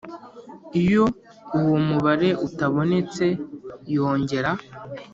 Iyo uwo mubare utabonetse yongera